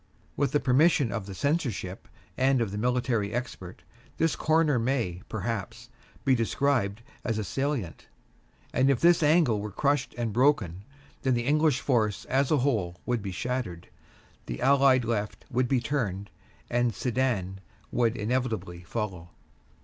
With the permission of the Censorship and of the military expert, this corner may, perhaps, be described as a salient, and if this angle were crushed and broken, then the English force as a whole would be shattered, the Allied left would be turned, and Sedan would inevitably follow.